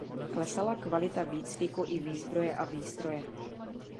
Klesala kvalita výcviku i výzbroje a výstroje.